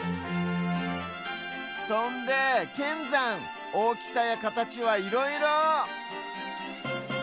そんでけんざんおおきさやかたちはいろいろ！